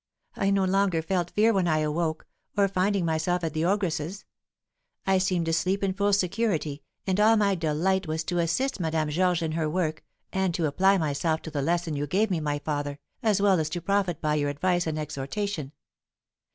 I no longer felt fear when I awoke, of finding myself at the ogress's. I seemed to sleep in full security, and all my delight was to assist Madame Georges in her work, and to apply myself to the lesson you gave me, my father, as well as to profit by your advice and exhortation.